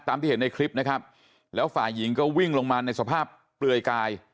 ที่เห็นในคลิปนะครับแล้วฝ่ายหญิงก็วิ่งลงมาในสภาพเปลือยกาย